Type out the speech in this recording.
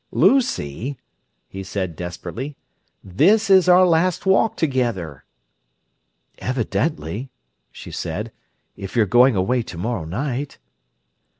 "Lucy," he said desperately, "this is our last walk together." "Evidently!" she said, "if you're going away tomorrow night."